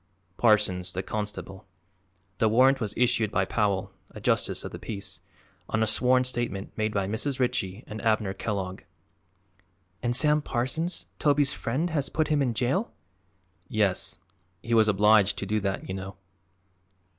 "Parsons, the constable. The warrant was issued by Powell, a justice of the peace, on a sworn statement made by Mrs. Ritchie and Abner Kellogg." "And Sam Parsons Toby's friend has put him in jail?" "Yes; he was obliged to do that, you know."